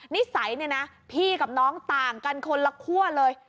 นิสัยเนี่ยนะพี่กับน้องต่างกันคนละคั่วเลย